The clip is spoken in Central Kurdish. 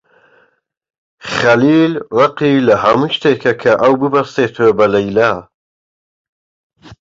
خەلیل ڕقی لە هەموو شتێکە کە ئەو ببەستێتەوە بە لەیلا.